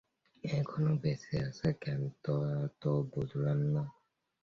এখনও বেঁচে আছে কেন তা তো বুঝলাম না!